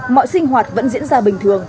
mọi sinh hoạt vẫn diễn ra bình thường